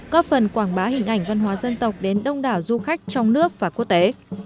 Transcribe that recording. có phần quảng bá hình ảnh văn hóa dân tộc đến đông đảo du khách trong nước và quốc tế